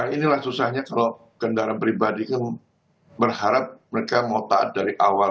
inilah susahnya kalau kendaraan pribadi kan berharap mereka mau taat dari awal